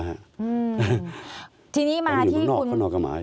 อยู่น้ำนอกเขานอนกับหมา